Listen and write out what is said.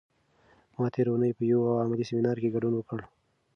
ما تېره اونۍ په یوه علمي سیمینار کې ګډون وکړ.